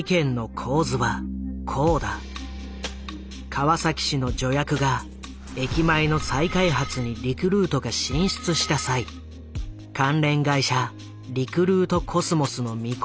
川崎市の助役が駅前の再開発にリクルートが進出した際関連会社リクルートコスモスの未公開株を譲渡された。